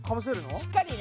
しっかりね！